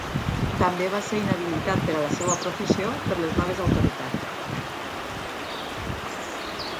També va ser inhabilitat per a la seva professió per les noves autoritats.